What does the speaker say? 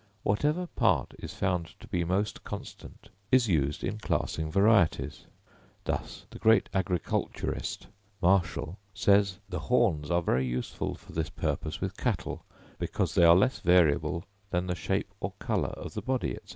Whatever part is found to be most constant, is used in classing varieties: thus the great agriculturist Marshall says the horns are very useful for this purpose with cattle, because they are less variable than the shape or colour of the body, &c.